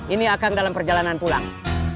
ini akan dalam perjalanan pulang